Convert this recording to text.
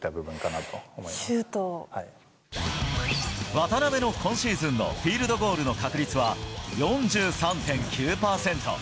渡邊の今シーズンのフィールドゴールの確率は４３．９％。